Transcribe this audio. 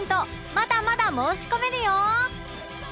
まだまだ申し込めるよ！